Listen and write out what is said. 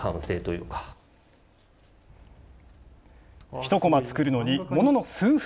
ひとコマ作るのにものの数分。